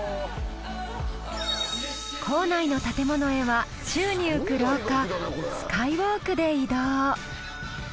構内の建物へは宙に浮く廊下スカイウォークで移動。